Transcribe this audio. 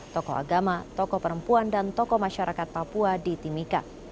tokoh agama tokoh perempuan dan tokoh masyarakat papua di timika